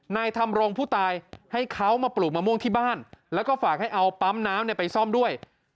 นายธรรมรงผู้ตายให้เขามาปลูกมะม่วงที่บ้านแล้วก็ฝากให้เอาปั๊มน้ำไปซ่อมด้วย